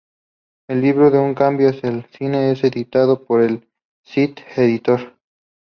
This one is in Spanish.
El libro Un Camino hacia el Cine es editado por El Cid Editor.